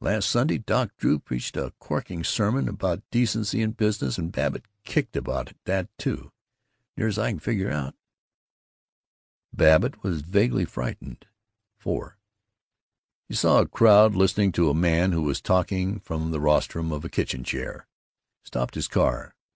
Last Sunday Doc Drew preached a corking sermon about decency in business and Babbitt kicked about that, too. Near's I can figure out " Babbitt was vaguely frightened. IV He saw a crowd listening to a man who was talking from the rostrum of a kitchen chair. He stopped his car.